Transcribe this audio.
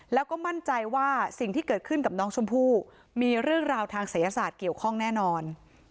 แล้วก็มั่นใจว่าสิ่งที่เกิดขึ้นกับน้องชมพู่มีเรื่องราวทางศัยศาสตร์เกี่ยวข้องแน่นอน